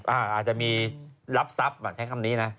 อาจจะมีรับทรัพย์ใช้คำนี้นะ